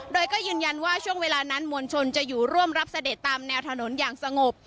โดยก็ยืนยันว่าช่วงเวลานั้นมวลชนจะอยู่ร่วมรับเสด็จตามแนวถนนอย่างสงบ